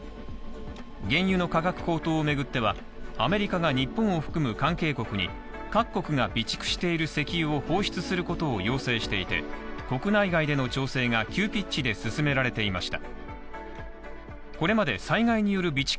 原油の価格高騰をめぐっては、アメリカが日本を含む関係国に各国が備蓄している石油を放出することを要請していて、国内外での調整が急ピッチで進められていました。